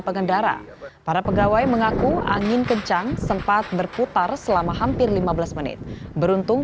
pengendara para pegawai mengaku angin kencang sempat berputar selama hampir lima belas menit beruntung